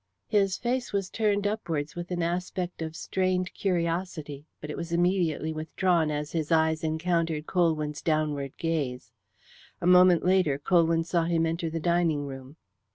His face was turned upwards with an aspect of strained curiosity, but it was immediately withdrawn as his eyes encountered Colwyn's downward gaze. A moment later Colwyn saw him enter the dining room.